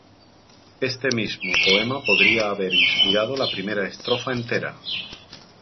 Este mismo poema podría haber inspirado la primera estrofa entera.